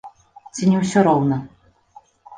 Ці не ўсё роўна?